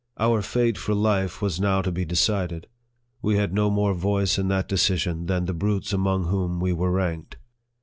Our fate for life was now to be decided. We had no more voice in that decision than the brutes among whom we were ranked.